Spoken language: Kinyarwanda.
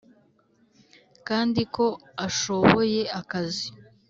kandi ko ashoboye akazi.